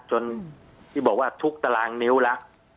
ที่บอกว่าทุกตารางนิ้วแล้ว